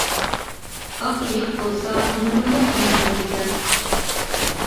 ئاق ئېيىق بولسا ئۇنىڭدىنمۇ كېيىن تۇرىدىكەن.